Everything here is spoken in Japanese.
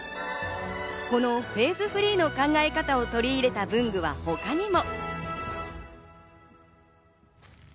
このフェーズフリーの考え方を取り入れた文具は他にも。